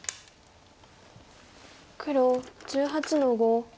黒１８の五。